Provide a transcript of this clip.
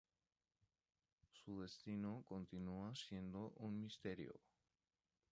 Su destino continúa siendo un misterio.